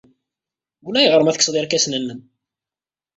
Ulayɣer ma tekksed irkasen-nnem.